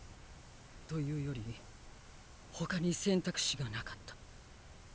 というより他に選択肢がなかった。